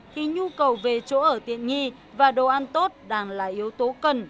khi nhu cầu về chỗ ở tiện nghi và đồ ăn tốt đang là yếu tố cần